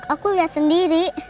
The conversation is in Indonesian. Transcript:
aku lihat sendiri